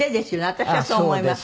私はそう思います。